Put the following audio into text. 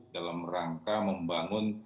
dalam rangka membangun